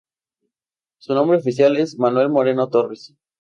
Su nombre oficial es Manuel Moreno Torres.